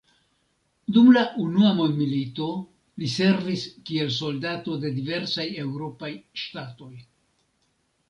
Dum la unua mondmilito li servis kiel soldato de diversaj eŭropaj ŝtatoj.